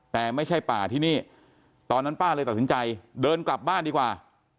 แต่ไม่ใช่ป่าที่นี่ตอนนั้นป้าเลยตัดสินใจเดินกลับบ้านดีกว่า